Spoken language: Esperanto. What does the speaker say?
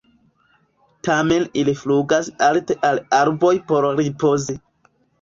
Tamen ili flugas alte al arboj por ripozi.